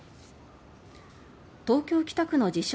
東京・北区の自称